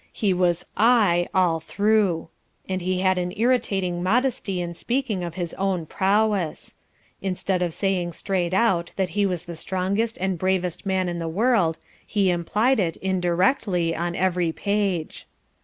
He was "I" all through. And he had an irritating modesty in speaking of his own prowess. Instead of saying straight out that he was the strongest and bravest man in the world, he implied it indirectly on every page.